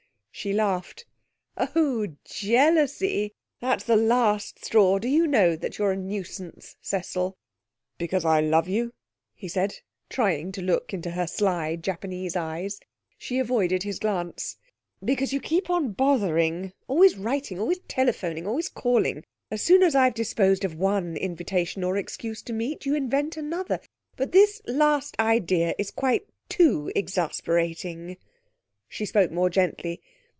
She laughed. 'Oh, jealousy! That's the last straw. Do you know that you're a nuisance, Cecil?' 'Because I love you?' he said, trying to look into her sly Japanese eyes. She avoided his glance. 'Because you keep on bothering. Always writing, always telephoning, always calling! As soon as I've disposed of one invitation or excuse to meet, you invent another. But this last idea is quite too exasperating.' She spoke more gently.